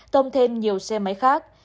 tông thêm nhiều xe máy khác